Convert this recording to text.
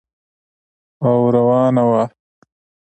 او روانه وه.